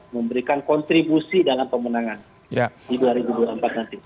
memberikan kontribusi dalam pemenangan di dua ribu dua puluh empat nanti